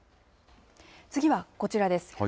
次はこちらです。